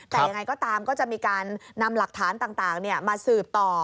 แต่ยังไงก็ตามก็จะมีการนำหลักฐานต่างมาสืบต่อ